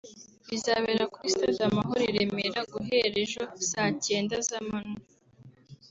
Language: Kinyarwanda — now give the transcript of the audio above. bizabera kuri stade Amahoro i Remera guhera ejo saa cyenda z’amanywa